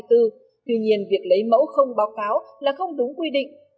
tuy nhiên việc lấy mẫu không báo cáo là không đúng quy định